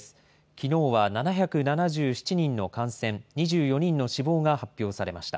きのうは７７７人の感染、２４人の死亡が発表されました。